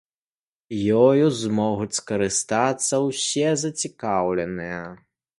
Ёю змогуць скарыстацца ўсе зацікаўленыя.